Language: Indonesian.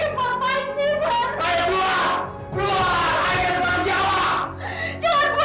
tapi apa berhenti kamu kepada aku